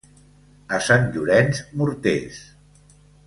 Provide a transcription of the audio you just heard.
A Sant Llorenç, morters.